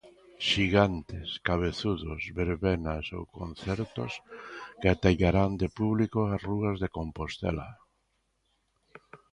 Xigantes, cabezudos, verbenas ou concertos que ateigarán de público as rúas de Compostela.